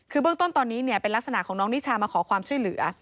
คือเบื้องต้นตอนนี้เป็นลักษณะของน้องนิชามาขอความช่วยเหลือ